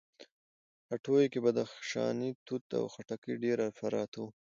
هټيو کې بدخشانی توت او خټکي ډېر پراته وو.